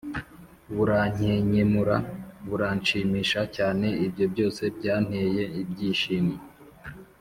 burankenkemura: buranshimisha cyane ibyo byose byanteye ibyishimo